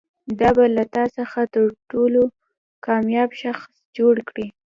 دا به له تا څخه تر ټولو کامیاب شخص جوړ کړي.